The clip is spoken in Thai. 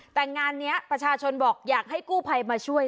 แต่งานนี้ประชาชนบอกอยากให้กู้ภัยมาช่วย